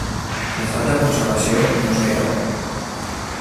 L'estat de conservació no és gaire bo.